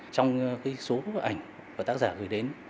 trong cái số ảnh và tác giả gửi đến